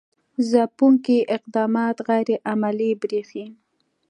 ځپونکي اقدامات غیر عملي برېښي.